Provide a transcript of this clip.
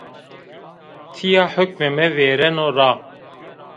Tîya hukmê mi vêreno ra